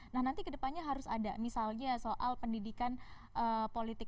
nah nanti kedepannya harus ada misalnya soal pendidikan politik